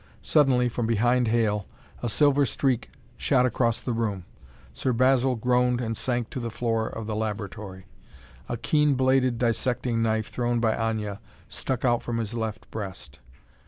Suddenly, from behind Hale, a silver streak shot across the room. Sir Basil groaned and sank to the floor of the laboratory. A keen bladed dissecting knife, thrown by Aña, stuck out from his left breast.